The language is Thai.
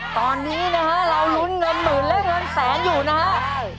ตอนนี้นะฮะเราลุ้นเงินหมื่นและเงินแสนอยู่นะครับ